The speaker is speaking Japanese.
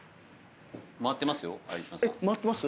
回ってます？